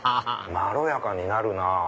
まろやかになるなぁ。